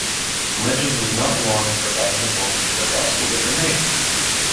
Legend was not long in providing the woman of the Gospel with a name.